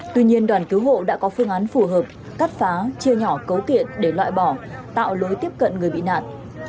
tuy nhiên đoàn cứu hộ đã có phương án phù hợp cắt phá chia nhỏ cấu kiện để loại bỏ tạo lối tiếp cận người bị nạn